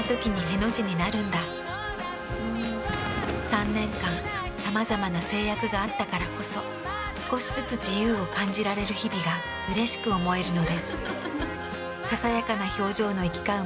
３年間さまざまな制約があったからこそ少しずつ自由を感じられる日々がうれしく思えるのです。